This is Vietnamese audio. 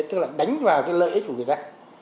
tức là đánh vào cái lợi ích của người ta